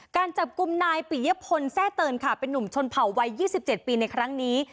การจับกลุ่มนายปิยพลแซ่เตินค่ะเป็นนุ่มชนเผ่าวัย๒๗ปีในครั้งนี้